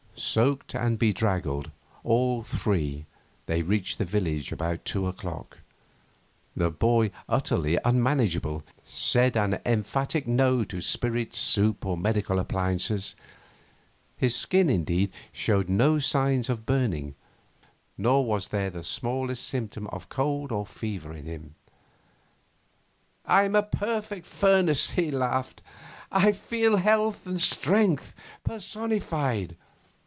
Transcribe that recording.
Soaked and bedraggled, all three, they reached the village about two o'clock. The boy, utterly unmanageable, said an emphatic No to spirits, soup, or medical appliances. His skin, indeed, showed no signs of burning, nor was there the smallest symptom of cold or fever in him. 'I'm a perfect furnace,' he laughed; 'I feel health and strength personified.